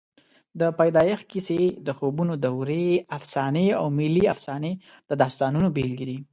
د پیدایښت کیسې، د خوبونو دورې افسانې او ملي افسانې د داستانونو بېلګې دي.